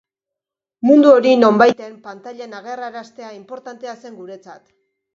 Mundu hori nonbaiten, pantailan agerraraztea inportantea zen guretzat.